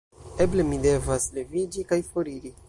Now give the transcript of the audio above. Eble mi devas leviĝi kaj foriri?